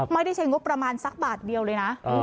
ใช้งบประมาณสักบาทเดียวเลยนะ